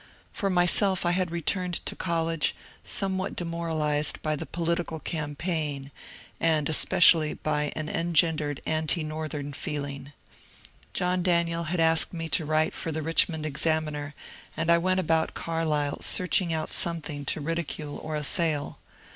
For myself I had returned to college somewhat demoralized by the political campaign, and especially by an engendered anti northern feeling. John Daniel had asked me to write for the '^ Richmond Examiner," and I went about Carlisle search ing out something to ridicule or assail.